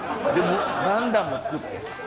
何段も作って。